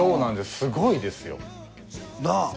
すごいですよ。なあ？